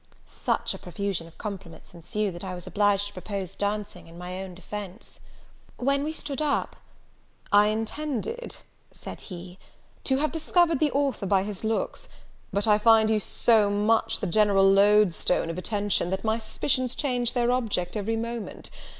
Such a profusion of compliments ensued, that I was obliged to propose dancing, in my own defence. When we stood up, "I intended," said he, "to have discovered the author by his looks; but I find you so much the general loadstone of attention, that my suspicions change their object every moment.